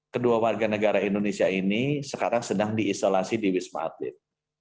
kedua warga negara indonesia ini sekarang sedang diisolasi di wisma atlet